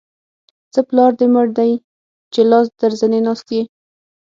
څه پلار دې مړ دی؛ چې لاس تر زنې ناست يې.